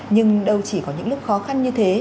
nhưng đâu chỉ có những lúc khó khăn như thế